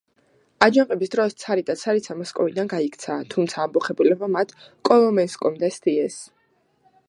აჯანყების დროს ცარი და ცარიცა მოსკოვიდან გაიქცა, თუმცა ამბოხებულებმა მათ კოლომენსკომდე სდიეს.